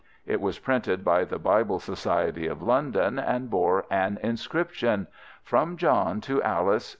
It was printed by the Bible Society of London, and bore an inscription: "From John to Alice.